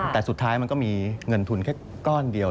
แต่สุดท้ายมันก็มีเงินทุนแค่ก้อนเดียว